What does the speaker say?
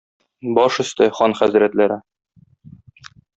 Баш өсте, хан хәзрәтләре.